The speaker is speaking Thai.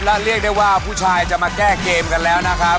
และเรียกได้ว่าผู้ชายจะมาแก้เกมกันแล้วนะครับ